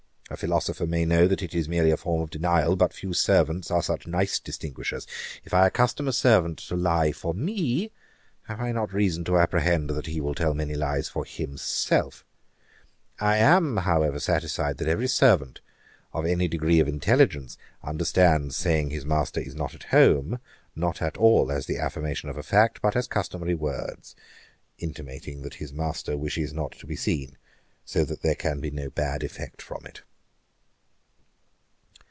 A philosopher may know that it is merely a form of denial; but few servants are such nice distinguishers. If I accustom a servant to tell a lie for me, have I not reason to apprehend that he will tell many lies for himself.' I am, however, satisfied that every servant, of any degree of intelligence, understands saying his master is not at home, not at all as the affirmation of a fact, but as customary words, intimating that his master wishes not to be seen; so that there can be no bad effect from it.